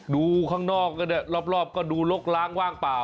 ดูข้างนอกก็ได้รอบก็ดูลกล้างว่างเปล่า